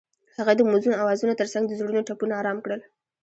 هغې د موزون اوازونو ترڅنګ د زړونو ټپونه آرام کړل.